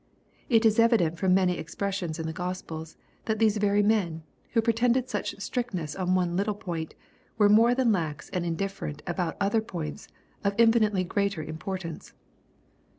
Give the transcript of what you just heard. It is evident from many expres sions in the Gospels, that these very men, who pretended such strictness on one little point, were more than lax and indifferent about other points of infinitely greater import^ ance.